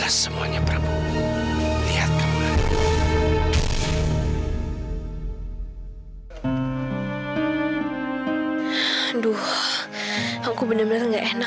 sampai jumpa di video selanjutnya